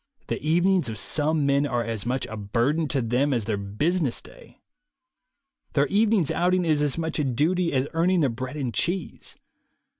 The evenings of some men are as much a burden to them as their business day. Their evening's outing is as much a duty as earning their bread and cheese.